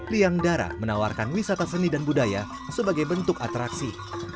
liangdara menawarkan wisata seni dan budaya sebagai bentuk atraksi